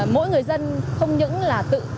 mỗi người dân không những là tự